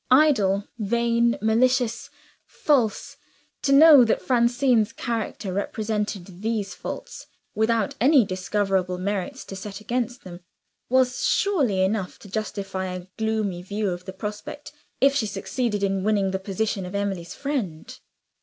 Idle, vain, malicious, false to know that Francine's character presented these faults, without any discoverable merits to set against them, was surely enough to justify a gloomy view of the prospect, if she succeeded in winning the position of Emily's friend.